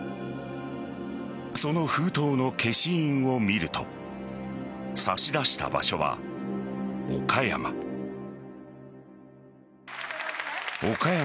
その封筒の消印を見ると差し出した場所は岡山。